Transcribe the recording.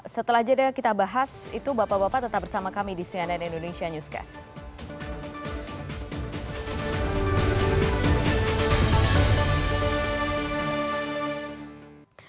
setelah jeda kita bahas itu bapak bapak tetap bersama kami di cnn indonesia newscast